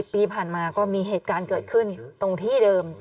ปีผ่านมาก็มีเหตุการณ์เกิดขึ้นตรงที่เดิม